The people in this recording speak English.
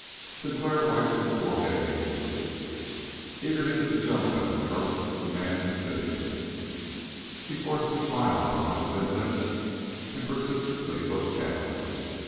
Sinclair wiped his forehead hastily. Eagerness to jump at the throat of the man consumed him. He forced a smile on his thin lips and persistently looked down.